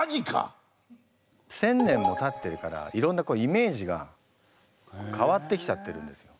１，０００年もたってるからいろんなイメージが変わってきちゃってるんですよ。